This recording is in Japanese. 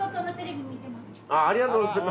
ありがとうございます。